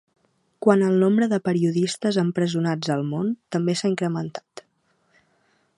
Quant al nombre de periodistes empresonats al món, també s’ha incrementat.